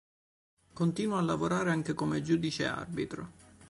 Continua a lavorare anche come giudice arbitro.